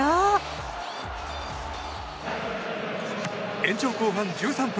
延長後半１３分。